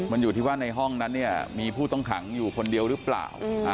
มันอยู่ที่ว่าในห้องนั้นเนี่ยมีผู้ต้องขังอยู่คนเดียวหรือเปล่า